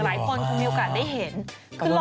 หลายคนคงมีโอกาสได้เห็น